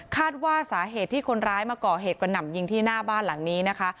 คาดว่าสาเหตุที่คนร้ายมาก่อเหตุกระหน่ำยิงที่หน้าบ้านหลังนี้นะคะ